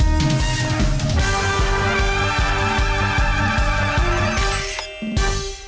โหลดเขียน